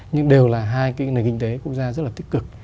nhưng đều là hai cái nền kinh tế quốc gia rất là tích cực